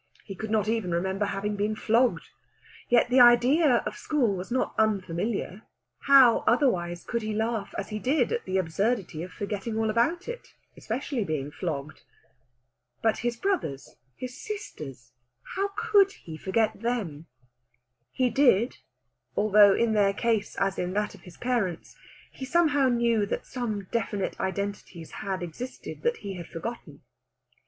He could not even remember having been flogged. Yet the idea of school was not unfamiliar; how, otherwise, could he laugh as he did at the absurdity of forgetting all about it, especially being flogged? But his brothers, his sisters, how could he forget them? He did, although in their case, as in that of his parents, he somehow knew that some definite identities had existed that he had forgotten.